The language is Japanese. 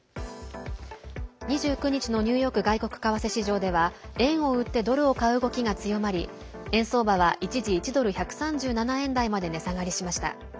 ２９日のニューヨーク外国為替市場では円を売ってドルを買う動きが強まり円相場は一時１ドル＝１３７円台まで値下がりました。